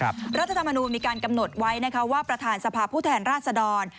รัฐธรรมนูญมีการกำหนดไว้นะคะว่าประธานสภาพผู้แทนราชดร